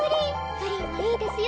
プリンはいいですよ。